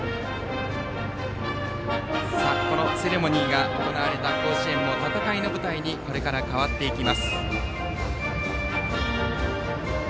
セレモニーが行われた甲子園も、これから戦いの舞台に変わっていきます。